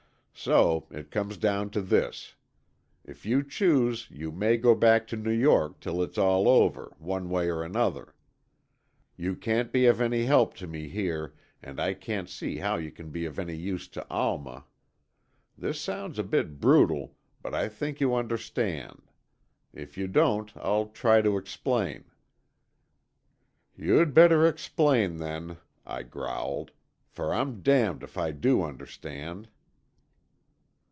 So, it comes down to this. If you choose, you may go back to New York till it's all over, one way or another. You can't be of any help to me here, and I can't see how you can be of any use to Alma. This sounds a bit brutal, but I think you understand. If you don't, I'll try to explain." "You'd better explain, then," I growled, "for I'm damned if I do understand."